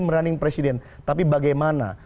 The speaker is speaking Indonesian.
rekening pribadi tapi bagaimana